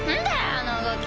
あの動き。